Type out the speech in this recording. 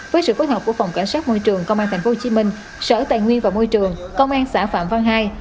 với sự phối hợp của phòng cảnh sát môi trường công an tp hcm sở tài nguyên và môi trường công an xã phạm văn hai